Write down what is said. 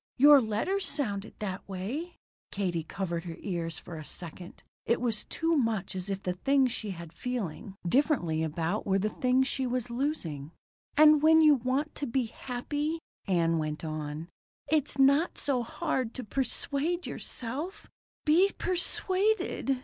Your letters sounded that way." Katie covered her eyes for a second. It was too much as if the things she was feeling differently about were the things she was losing. "And when you want to be happy," Ann went on, "it's not so hard to persuade yourself be persuaded."